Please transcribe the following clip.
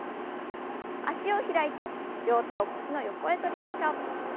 脚を開いて両手を腰の横へとりましょう。